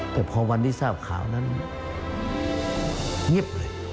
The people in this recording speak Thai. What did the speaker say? แต่พอวันที่ทราบข่าวนั้นเงียบเลย